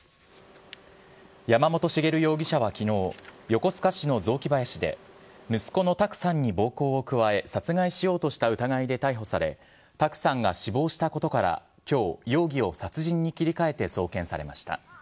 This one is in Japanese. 山本茂容疑者はきのう、横須賀市の雑木林で、息子の卓さんに暴行を加え、殺害しようとした疑いで逮捕され、卓さんが死亡したことから、きょう、容疑を殺人に切り替えて送検されました。